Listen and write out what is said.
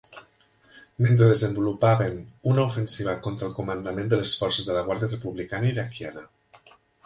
Mentre desenvolupaven una ofensiva contra el comandament de les forces de la guàrdia republicana iraquiana.